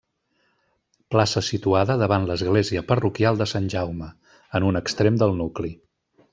Plaça situada davant l'església parroquial de Sant Jaume, en un extrem del nucli.